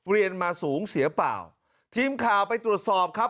เรียนมาสูงเสียเปล่าทีมข่าวไปตรวจสอบครับ